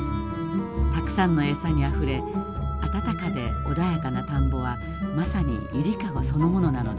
たくさんの餌にあふれ温かで穏やかな田んぼは正に揺りかごそのものなのです。